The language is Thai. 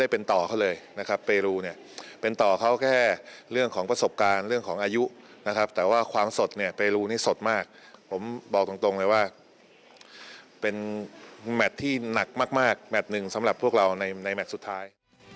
เป็นสิ่งที่สำหรับเราในแมตช์สุดท้าย